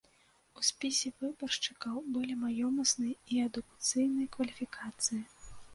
У спісе выбаршчыкаў былі маёмасныя і адукацыйныя кваліфікацыі.